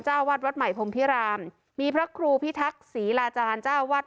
เจ้าวัดวัดใหม่พรมพิรามมีพระครูพิทักษีลาจารย์เจ้าวัด